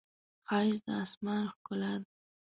ښایست د آسمان ښکلا ده